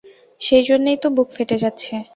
সেইজন্যেই তো বুক ফেটে যাচ্ছে।